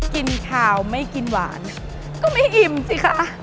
กินขาวไม่กินหวานก็ไม่อิ่มสิคะ